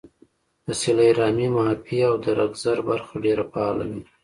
د صله رحمۍ ، معافۍ او درګذر برخه ډېره فعاله وي